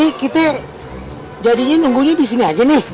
ini kita jadinya nunggunya di sini aja nih